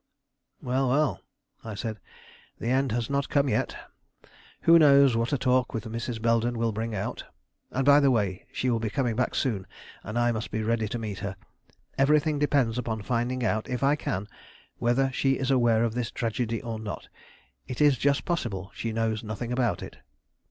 "Well, well," I said, "the end has not come yet; who knows what a talk with Mrs. Belden will bring out? And, by the way, she will be coming back soon, and I must be ready to meet her. Everything depends upon finding out, if I can, whether she is aware of this tragedy or not. It is just possible she knows nothing about it."